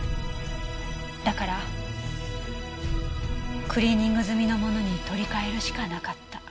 だからクリーニング済みのものに取り替えるしかなかった。